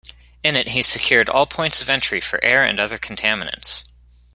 In it he secured all points of entry for air and other contaminants.